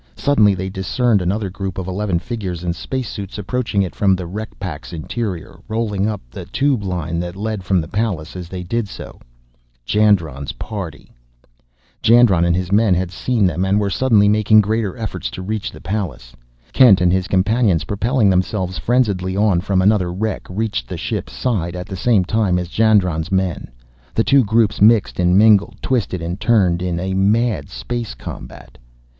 Suddenly they discerned another group of eleven figures in space suits approaching it from the wreck pack's interior, rolling up the tube line that led from the Pallas as they did so. Jandron's party! Jandron and his men had seen them and were suddenly making greater efforts to reach the Pallas. Kent and his companions, propelling themselves frenziedly on from another wreck, reached the ship's side at the same time as Jandron's men. The two groups mixed and mingled, twisted and turned in a mad space combat.